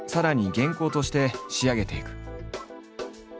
原稿として仕上げていく。